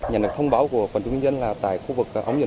nhà nước thông báo của quản lý nhân dân là tại khu vực